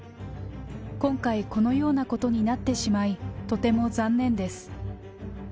今回、このようなことになってしまい、とても残念です。